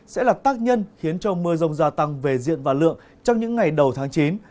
sẽ là tác nhân khiến cho mưa rông gia tăng về diện và lượng trong những ngày đầu tháng chín